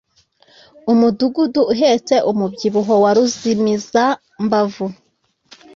Umuduga uhetse umubyibuho wa ruzimizambavu